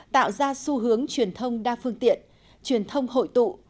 tạo ra xu hướng truyền thông đa phương tiện truyền thông hội tụ